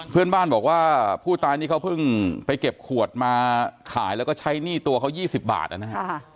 เพื่อนบ้านบอกว่าผู้ตายนี่เขาเพิ่งไปเก็บขวดมาขายแล้วก็ใช้หนี้ตัวเขา๒๐บาทนะครับ